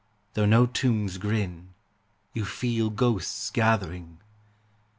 Though no tombs grin, you feel ghosts gathering.